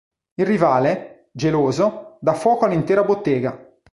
Il rivale, geloso, dà fuoco all’intera bottega.